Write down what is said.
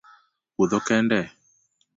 Puodho kende?